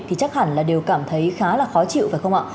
thì chắc hẳn là đều cảm thấy khá là khó chịu phải không ạ